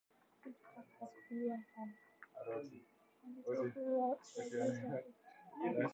Each Park has Free Wifi and Little Free Libraries at each of the parks.